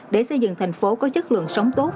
để xây dựng thành phố có chất lượng sống tốt